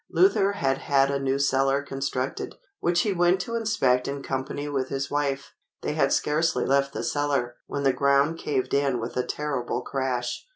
Luther had had a new cellar constructed, which he went to inspect in company with his wife. They had scarcely left the cellar, when the ground caved in with a terrible crash.